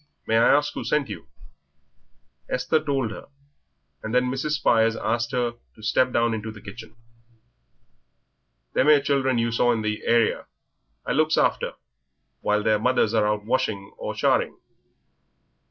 May I ask who sent you?" Esther told her, and then Mrs. Spires asked her to step down into the kitchen. "Them 'ere children you saw in the area I looks after while their mothers are out washing or charing.